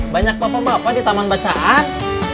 banyak bapak bapak di taman bacaan